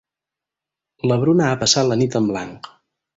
La Bruna ha passat la nit en blanc.